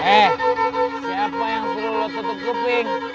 eh siapa yang suruh lo tutup kuping